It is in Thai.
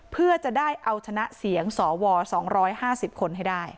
เพื่อจะได้เอาชนะเสียงสว๒๕๐คนให้ได้